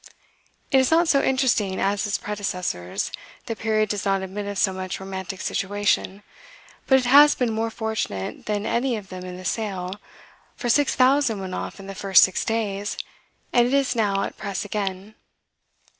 "It is not so interesting as its predecessors; the period does not admit of so much romantic situation. But it has been more fortunate than any of them in the sale, for six thousand went off in the first six days, and it is now at press again."